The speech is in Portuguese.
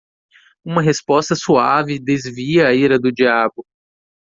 Uma resposta suave desvia a ira do diabo